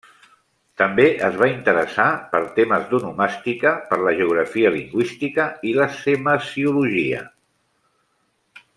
També es va interessar per temes d'onomàstica, per la geografia lingüística i la semasiologia.